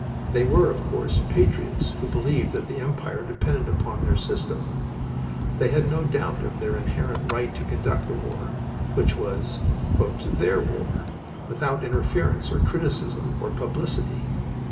They were, of course, patriots who believed that the Empire depended upon their system. They had no doubt of their inherent right to conduct the war, which was "their war," without interference or criticism or publicity.